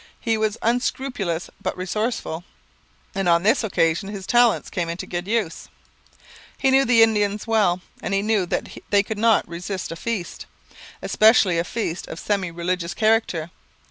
He was unscrupulous but resourceful; and on this occasion his talents came into good use. He knew the Indians well and he knew that they could not resist a feast, especially a feast of a semi religious character.